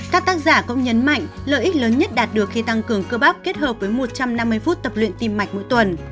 các tác giả cũng nhấn mạnh lợi ích lớn nhất đạt được khi tăng cường cơ bắp kết hợp với một trăm năm mươi phút tập luyện tim mạch mỗi tuần